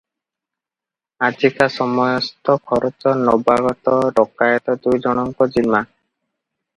ଆଜିକା ସମସ୍ତ ଖରଚ ନବାଗତ ଡକାଏତ ଦୁଇଜଣଙ୍କ ଜିମା ।